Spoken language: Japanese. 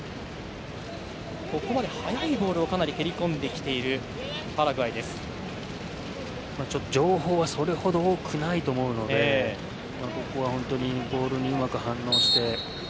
ここまで速いボールを蹴りこんできている情報はそれほど多くないと思うのでここはボールにうまく反応して。